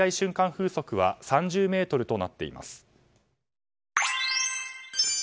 風速は３０メートルとなっています。